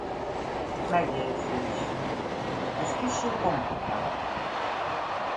Megjegyzés Ez kissé komplikált.